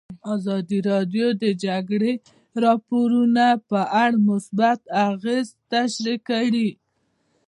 ازادي راډیو د د جګړې راپورونه په اړه مثبت اغېزې تشریح کړي.